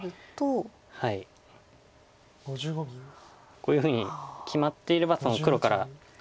こういうふうに決まっていれば黒からここに。